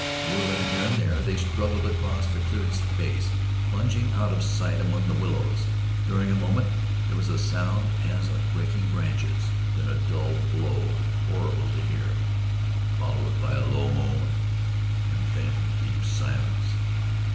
Whirling here and there they struggled across the cleared space, plunging out of sight among the willows. During a moment there was a sound as of breaking branches; then a dull blow, horrible to hear, followed by a low moan, and then deep silence.